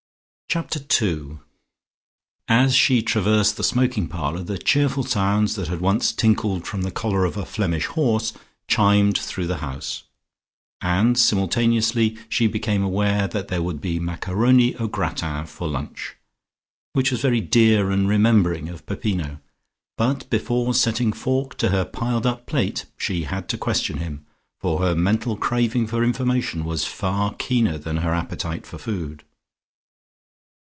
Chapter TWO As she traversed the smoking parlour the cheerful sounds that had once tinkled from the collar of a Flemish horse chimed through the house, and simultaneously she became aware that there would be macaroni au gratin for lunch, which was very dear and remembering of Peppino. But before setting fork to her piled up plate, she had to question him, for her mental craving for information was far keener than her appetite for food.